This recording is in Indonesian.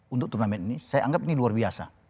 untuk turnamen ini saya anggap ini luar biasa